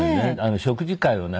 食事会をね